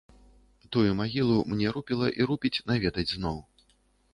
Тую магілу мне рупіла і рупіць наведаць зноў.